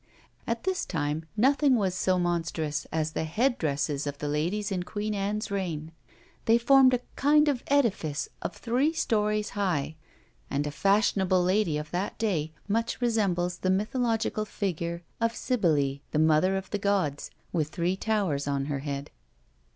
At this time nothing was so monstrous as the head dresses of the ladies in Queen Anne's reign: they formed a kind of edifice of three stories high; and a fashionable lady of that day much resembles the mythological figure of Cybele, the mother of the gods, with three towers on her head.